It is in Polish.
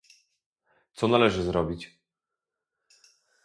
co należy zrobić?